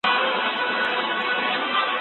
د رستم په شاني ورسه و جګړو ته د زمریانو